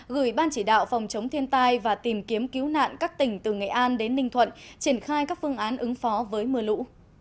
gửi ban chỉ đạo phòng chống thiên tai và tìm kiếm cứu nạn các tỉnh từ nghệ an đến ninh thuận triển khai các phương án ứng phó với mưa lũ